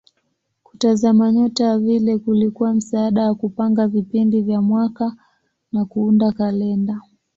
Kutazama nyota vile kulikuwa msaada wa kupanga vipindi vya mwaka na kuunda kalenda.